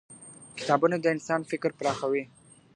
کتابونه د انسان فکر پراخوي.